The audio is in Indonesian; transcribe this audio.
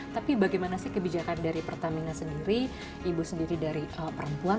tapi bagaimana sih kebijakan dari pertamina sendiri ibu sendiri dari perempuan